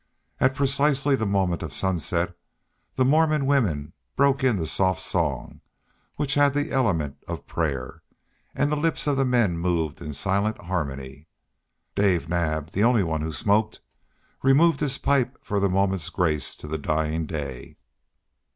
At precisely the moment of sunset, the Mormon women broke into soft song which had the element of prayer; and the lips of the men moved in silent harmony. Dave Naab, the only one who smoked, removed his pipe for the moment's grace to dying day.